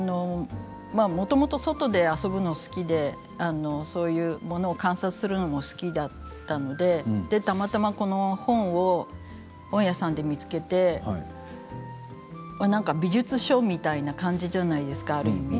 もともと外で遊ぶのが好きでそういうものを観察するのも好きだったのでたまたま、この本を本屋さんで見つけてなんか美術書みたいな感じじゃないですか、ある意味。